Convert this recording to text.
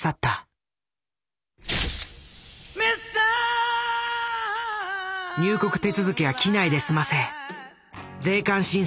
入国手続きは機内で済ませ税関審査はなし。